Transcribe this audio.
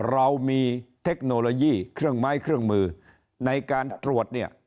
เรามีเทคโนโลยีเครื่องไม้เครื่องมือในการตรวจเนี่ย